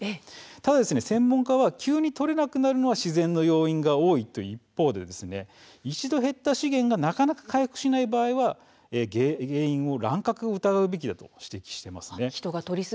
ただ、専門家は急に取れなくなるのは自然の要因が多い一方一度、減った資源がなかなか回復しない場合は原因を乱獲を疑うべきだと指摘します。